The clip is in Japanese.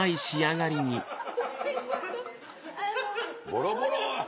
ボロボロ！